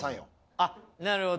あなるほど。